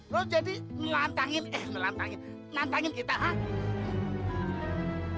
lo jadi melantangin eh melantangin kita hah